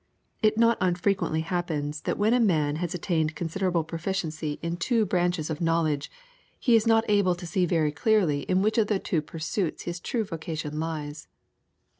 It not unfrequently happens that when a man has attained considerable proficiency in two branches of knowledge he is not able to see very clearly in which of the two pursuits his true vocation lies.